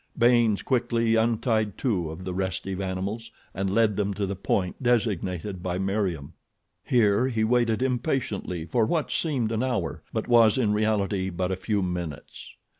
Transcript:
Baynes quickly untied two of the restive animals and led them to the point designated by Meriem. Here he waited impatiently for what seemed an hour; but was, in reality, but a few minutes.